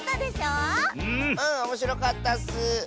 うんおもしろかったッス！